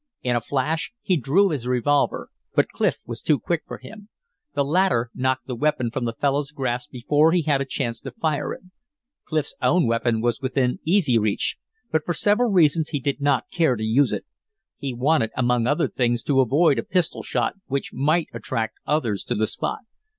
In a flash he drew his revolver, but Clif was too quick for him. The latter knocked the weapon from the fellow's grasp before he had a chance to fire it. Clif's own weapon was within easy reach, but for several reasons he did not care to use it. He wanted, among other things, to avoid a pistol shot which might attract others to the spot.